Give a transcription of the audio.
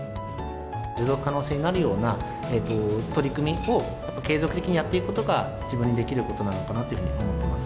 持続可能性になるような取り組みを継続的にやっていくことが、自分にできることなのかなというふうに思っています。